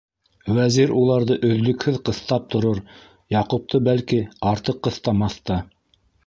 Вәзир уларҙы өҙлөкһөҙ ҡыҫтап торор, Яҡупты, бәлки, артыҡ ҡыҫтамаҫ та.